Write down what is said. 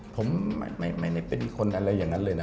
ผมไม่ได้เป็นคนอะไรอย่างนั้นเลยนะ